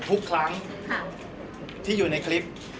ทุกครั้งที่อยู่ในคลิป